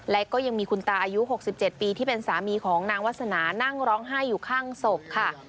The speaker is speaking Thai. และก็ยังมีคุณตาอายุ๖๗ปีที่เป็นสามีของนางวาสนานั่งร้องไห้อยู่ข้างศพค่ะ